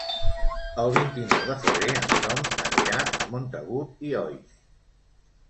El vint-i-nou de febrer en Tom anirà a Montagut i Oix.